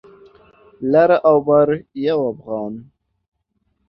لر او بر یو افغان